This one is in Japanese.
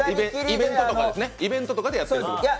イベントとかでやってるんだね？